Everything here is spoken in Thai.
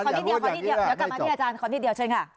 เดี๋ยวกลับมาที่อาจารย์ขอนิดเดียวเชิญค่ะ